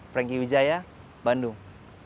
franky widjaya bandung